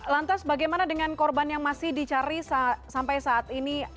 lantas bagaimana dengan korban yang masih dicari sampai saat ini